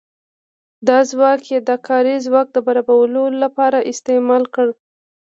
دا ځواک یې د کاري ځواک برابرولو لپاره استعمال کړ.